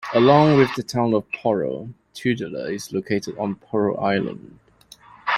Along with the town of Poro, Tudela is located on Poro Island.